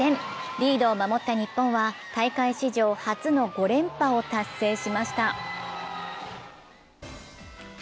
リードを守った日本は大会史上初の５連覇を達成しました。